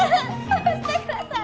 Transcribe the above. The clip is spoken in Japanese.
下ろしてください！